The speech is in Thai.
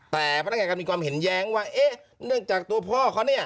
แต่พนักงานก็มีความเห็นแย้งว่าเอ๊ะเนื่องจากตัวพ่อเขาเนี่ย